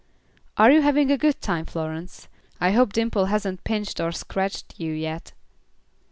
"Are you having a good time, Florence? I hope Dimple hasn't pinched or scratched you yet."